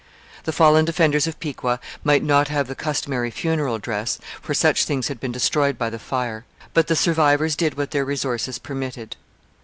The fallen defenders of Piqua might not have the customary funeral dress, for such things had been destroyed by the fire, but the survivors did what their resources permitted.